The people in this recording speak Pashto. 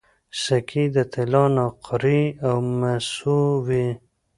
سکې د طلا نقرې او مسو وې